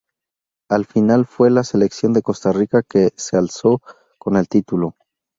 Al final fue la selección de Costa Rica que se alzó con el título.